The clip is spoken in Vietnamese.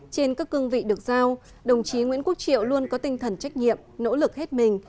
trên các cương vị được giao đồng chí nguyễn quốc triệu luôn có tinh thần trách nhiệm nỗ lực hết mình